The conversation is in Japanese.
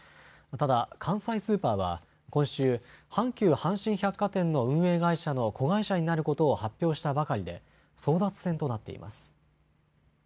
ただ関西スーパーは今週、阪急阪神百貨店の運営会社の子会社になることを発表したばかりで争奪戦となっています。